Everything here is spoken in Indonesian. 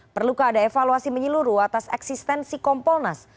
perlukah ada evaluasi menyeluruh atas eksistensi kompolnas